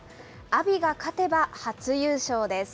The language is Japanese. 阿炎が勝てば初優勝です。